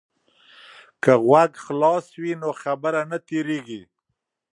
که غوږ خلاص وي نو خبره نه تیریږي.